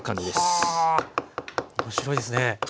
はあ面白いですね。